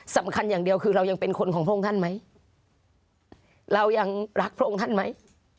สำคัญอย่างเดียวคือเรายังเป็นคนของพระองค์ท่านไหมเรายังรักพระองค์ท่านไหม